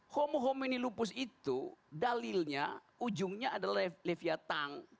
homo homini lupus itu dalilnya ujungnya adalah leviathan